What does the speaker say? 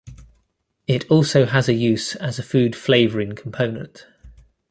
It also has a use as a food flavoring component.